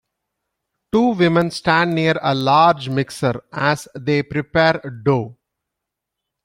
Two women stand near a large mixer as they prepare dough.